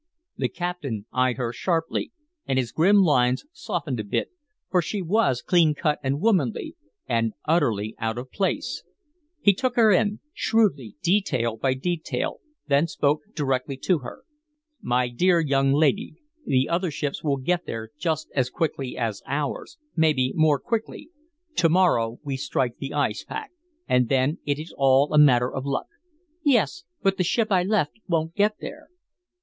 The captain eyed her sharply, and his grim lines softened a bit, for she was clean cut and womanly, and utterly out of place, He took her in, shrewdly, detail by detail, then spoke directly to her: "My dear young lady the other ships will get there just as quickly as ours, maybe more quickly. To morrow we strike the ice pack and then it is all a matter of luck." "Yes, but the ship I left won't get there."